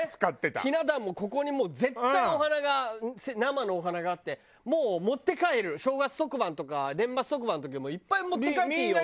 ひな壇もここにもう絶対お花が生のお花があってもう持って帰る正月特番とか年末特番の時は「いっぱい持って帰っていいよ」。